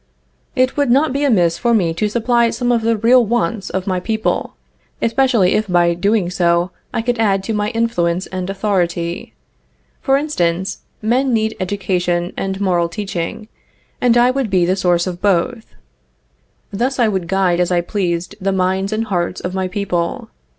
It would not be amiss for me to supply some of the real wants of my people, especially if by doing so I could add to my influence and authority. For instance, men need education and moral teaching, and I would be the source of both. Thus I would guide as I pleased the minds and hearts of my people.